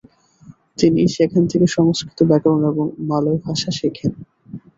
তিনি সেখান থেকে সংস্কৃত ব্যাকরণ এবং মালয় ভাষা শেখেন।